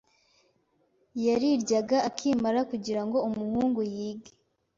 yariryaga akimara kugira ngo umuhungu yige